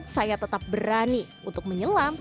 saya tetap berani untuk menyelam